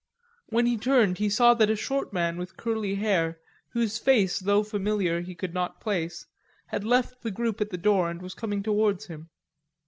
When he turned he saw that a short man with curly hair, whose face, though familiar, he could not place, had left the group at the door and was coming towards him.